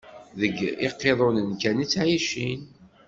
Deg iqiḍunen kan i ttɛicin.